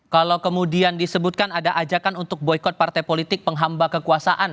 kalau kemudian disebutkan ada ajakan untuk boykot partai politik penghamba kekuasaan